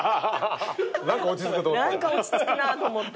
何か落ち着くなと思って。